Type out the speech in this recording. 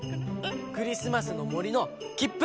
クリスマスのもりのきっぷ！